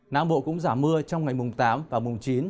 nắng bộ cũng giảm mưa trong ngày mùng tám và mùng chín